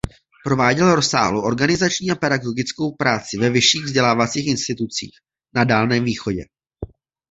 Prováděl rozsáhlou organizační a pedagogickou práci ve vyšších vzdělávacích institucích na Dálném východě.